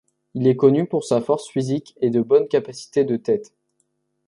Il est connu pour sa force physique et de bonnes capacités de tête.